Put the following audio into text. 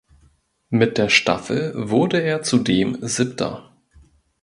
Mit der Staffel wurde er zudem Siebter.